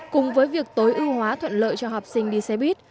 cùng với việc tối ưu hóa thuận lợi cho học sinh đi xe buýt